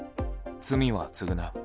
罪は償う。